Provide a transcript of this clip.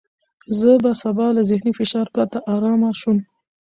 زه به سبا له ذهني فشار پرته ارامه شوم.